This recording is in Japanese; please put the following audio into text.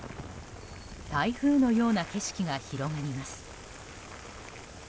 台風のような景色が広がります。